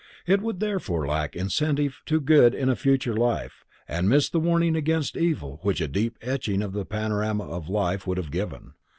It would therefore lack incentive to good in a future life, and miss the warning against evil which a deep etching of the panorama of life would have given.